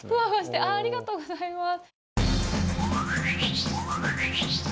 ありがとうございます。